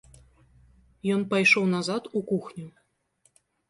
Ён пайшоў назад у кухню.